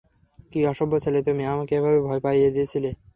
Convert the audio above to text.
কি অসভ্য ছেলে তুমি, আমাকে এভাবে ভয় পাইয়ে দিয়েছিলে।